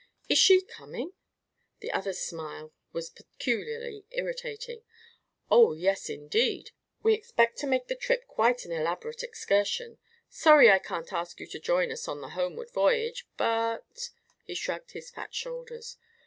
"Is she coming?" The other's smile was peculiarly irritating. "Oh, indeed yes! We expect to make the trip quite an elaborate excursion. Sorry I can't ask you to join us on the homeward voyage, but " he shrugged his fat shoulders.